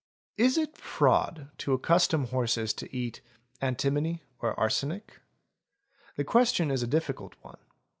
Is it fraud to accustom horses to eat antimony or arsenic? The question is a difficult one.